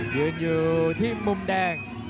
ยืนอยู่ที่มุมแดง